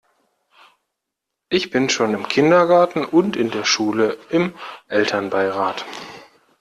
Ich bin schon im Kindergarten und in der Schule im Elternbeirat.